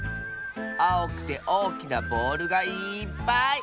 あおくておおきなボールがいっぱい！